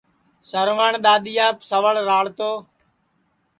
سروٹؔ دؔادِؔیاپ سوڑ راݪ تو